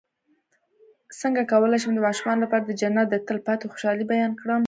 څنګه کولی شم د ماشومانو لپاره د جنت د تل پاتې خوشحالۍ بیان کړم